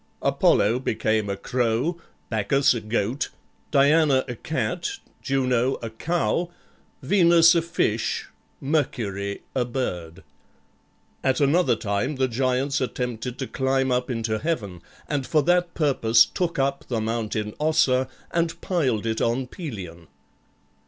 Apollo became a crow, Bacchus a goat, Diana a cat, Juno a cow, Venus a fish, Mercury a bird. At another time the giants attempted to climb up into heaven, and for that purpose took up the mountain Ossa and piled it on Pelion.